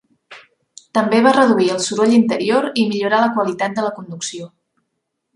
També va reduir el soroll interior i millorar la qualitat de la conducció.